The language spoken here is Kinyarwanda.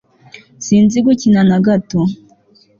sinzi gukina na gato